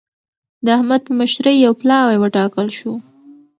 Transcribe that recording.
د احمد په مشرۍ يو پلاوی وټاکل شو.